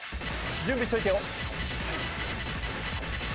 準備しといてよ。